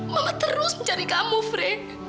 mama terus mencari kamu fred